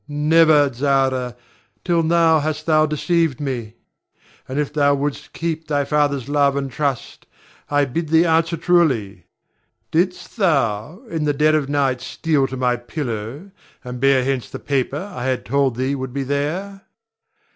Never, Zara, till now hast thou deceived me; and if thou wouldst keep thy father's love and trust, I bid thee answer truly. Didst thou, in the dead of night steal to my pillow, and bear hence the paper I had told thee would be there?